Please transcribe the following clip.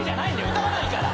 歌わないから。